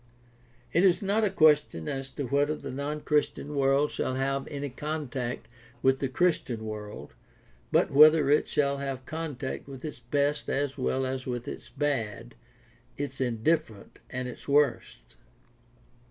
It is not a question as to whether the non Christian world shall have any contact with the Christian world, but whether it shall have contact with its best as well as with its bad, its indifferent, and its worst.